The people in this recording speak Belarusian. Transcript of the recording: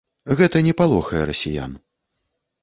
Гэта не палохае расіян.